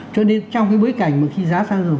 cho nên trong cái bối cảnh mà khi giá xăng dầu